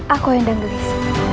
aku endang delis